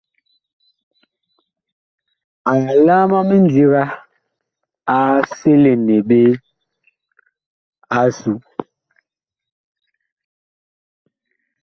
Alaam a mindiga a selene ɓe asu.